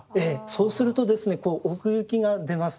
そうするとですね奥行きが出ますよね。